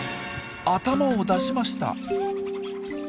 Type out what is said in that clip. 頭を出しました。